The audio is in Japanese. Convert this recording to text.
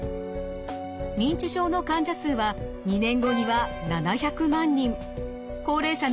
認知症の患者数は２年後には７００万人。